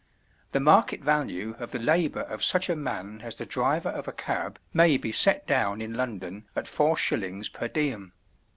The market value of the labour of such a man as the driver of a cab may be set down in London at 4s. per diem.